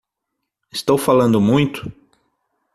Estou falando muito?